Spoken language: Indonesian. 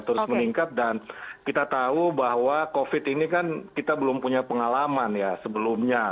terus meningkat dan kita tahu bahwa covid ini kan kita belum punya pengalaman ya sebelumnya